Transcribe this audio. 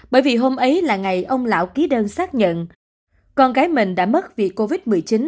bởi vì hôm ấy là ngày ông lão ký đơn xác nhận con gái mình đã mất vì covid một mươi chín